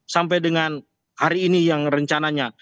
sampai dengan hari ini yang rencananya